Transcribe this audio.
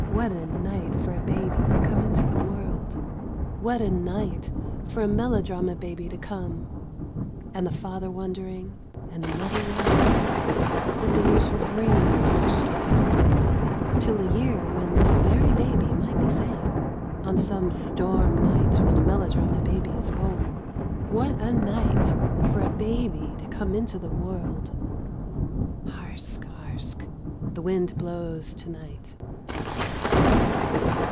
What a night for a baby to come into the world! What a night for a melodrama baby to come And the father wondering And the mother wondering What the years will bring on their stork feet Till a year when this very baby might be saying On some storm night when a melodrama baby is born: "What a night for a baby to come into the world!! " Harsk, harsk, the wind blows to night.